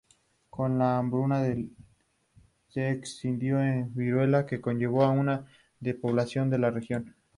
Con la hambruna se extendió la viruela, que conllevó una despoblación de la región.